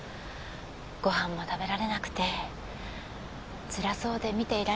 ごはんも食べられなくてつらそうで見ていられません